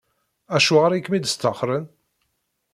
Acuɣer i kem-id-sṭaxren?